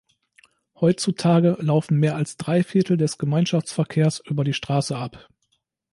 Heutzutage laufen mehr als drei Viertel des Gemeinschaftsverkehrs über die Straße ab.